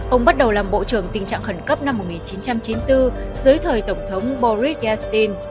ông bắt đầu làm bộ trưởng tình trạng khẩn cấp năm một nghìn chín trăm chín mươi bốn dưới thời tổng thống boris yastin